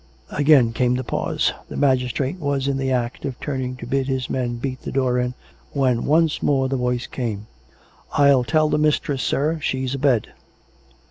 Again came the pause. The magistrate was in the act of turning to bid his men beat the door in, when once more the voice came. " I'll tell the mistress, sir. ... She's a bed."